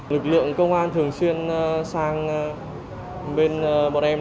lực lượng công an thường xuyên sang bên bọn em